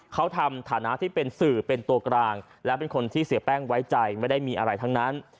เขาทำฐานะที่เป็นสื่อเป็นตัวกลางและเป็นคนที่เสียแป้งไว้ใจไม่ได้มีอะไรทั้งนั้น